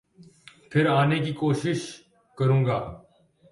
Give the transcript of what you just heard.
پھر آنے کی کوشش کروں گا۔